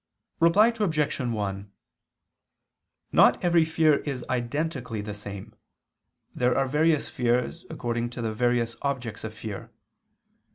Reply Obj. 1: Not every fear is identically the same; there are various fears according to the various objects of fear.